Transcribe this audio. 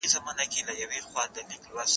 زه اوږده وخت د سبا لپاره د هنرونو تمرين کوم!